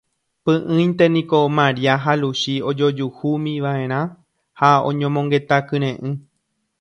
Py'ỹinte niko Maria ha Luchi ojojuhúmiva'erã ha oñomongeta kyre'ỹ.